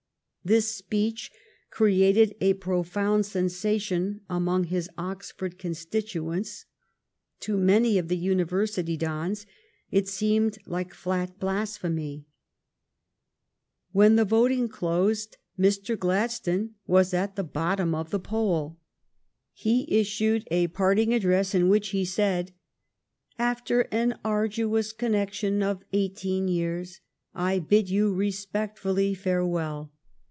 This speech created a profound sensation among his Oxford constituents. To many of the University dons it seemed like fiat blasphemy. When the voting closed, Mr. Gladstone was at the bottom of the poll. He issued a parting address in which he said :" After an arduous connection of eighteen years, I bid you respectfully farewell.